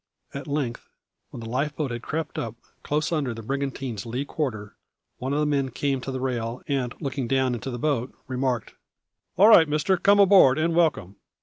At length, when the life boat had crept up close under the brigantine's lee quarter, one of the men came to the rail and, looking down into the boat, remarked: "All right, mister; come aboard, and welcome.